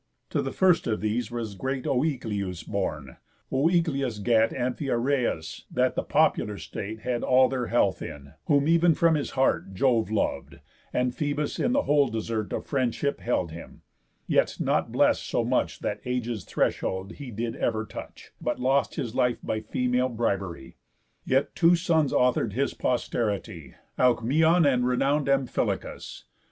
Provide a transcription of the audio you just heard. To the first of these Was great Oïcleus born: Oïcleus gat Amphiaraus, that the popular state Had all their health in, whom ev'n from his heart Jove lov'd, and Phœbus in the whole desert Of friendship held him; yet not bless'd so much That age's threshold he did ever touch, But lost his life by female bribery. Yet two sons author'd his posterity, Alcmæon, and renown'd Amphilochus.